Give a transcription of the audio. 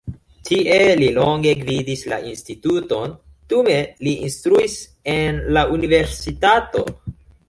Tie li longe gvidis la instituton, dume li instruis en la universitato.